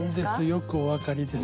よくお分かりです。